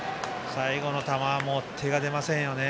最後の球は手が出ませんね。